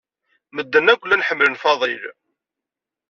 Medden akk llan ḥemmlen Fadil.